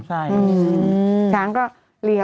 ใช่ช้างก็เลี้ยว